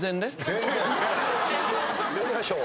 参りましょう。